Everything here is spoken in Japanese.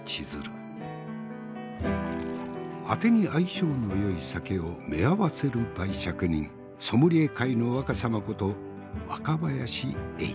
あてに相性のよい酒をめあわせる媒酌人ソムリエ界の若さまこと若林英司。